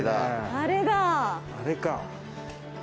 あれか。